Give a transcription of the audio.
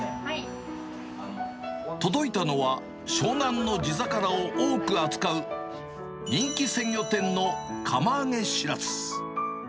届いたのは、湘南の地魚を多く扱う人気鮮魚店の釜揚げシラス。